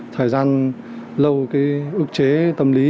thời gian lâu cái ước chế tâm lý